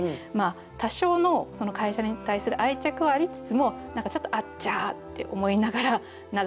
多少の会社に対する愛着はありつつも何かちょっと「あちゃ」って思いながらながめてる。